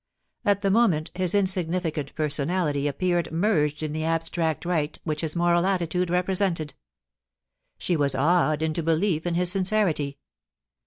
At the moment, his insignificant personality appeared merged in the abstract right which his moral attitude represented She was awed into belief in his sincerity.